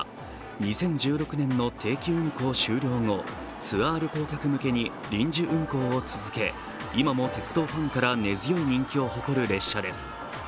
２０１６年の定期運行終了後、ツアー旅行客向けに臨時運行を続け、今も鉄道ファンから根強い人気を誇る列車です。